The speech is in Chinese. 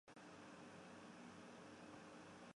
出生于中华民国台南市。